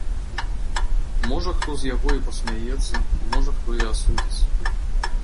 Можа хто з яго і пасмяецца, можа хто і асудзіць.